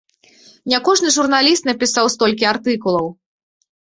Не кожны журналіст напісаў столькі артыкулаў!